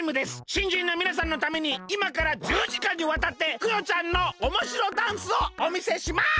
しんじんのみなさんのためにいまから１０時間にわたってクヨちゃんのおもしろダンスをおみせします！